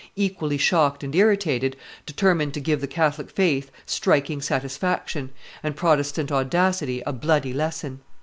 equally shocked and irritated, determined to give the Catholic faith striking satisfaction, and Protestant audacity a bloody lesson.